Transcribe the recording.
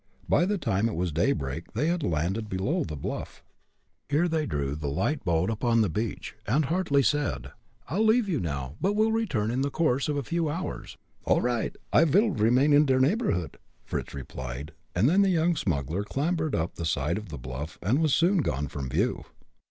By the time it was daybreak they had landed below the bluff. Here they drew the light boat up on the beach, and Hartly said: "I'll leave you now, but will return, in the course of a few hours." "All righd. I vil remain in der neighborhood," Fritz replied, and then the young smuggler clambered up the side of the bluff, and was soon gone from view.